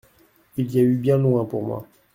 Il y a eu bien loin pour moi.